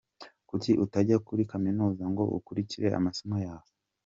Kuki utajya kuri kaminuza ngo ukurikire amasomo yawe?